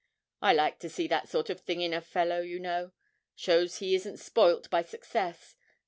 I like to see that sort of thing in a fellow, you know; shows he isn't spoilt by success!